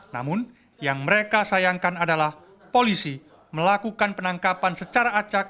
namun yang mereka sayangkan adalah polisi melakukan penangkapan secara acak